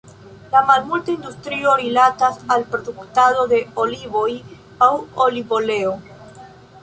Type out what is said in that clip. La malmulta industrio rilatas al produktado de olivoj aŭ olivoleo.